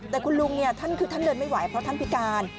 แต่คุณลุงคือท่านเดินไม่ไหวเพราะท่านพิการ